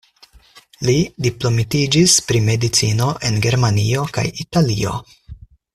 Li diplomitiĝis pri medicino en Germanio kaj Italio.